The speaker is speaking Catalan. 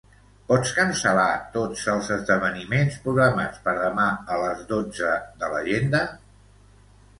Pots cancel·lar tots els esdeveniments programats per demà a les dotze de l'agenda?